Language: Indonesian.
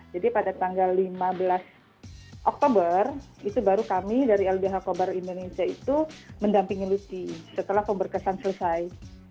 jadi pada tanggal lima belas oktober itu baru kami dari ldh kobar indonesia itu mendampingi lutfi setelah pemberkesan selesai